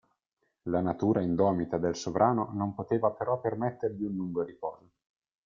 La natura indomita del sovrano non doveva però permettergli un lungo riposo.